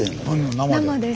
生です。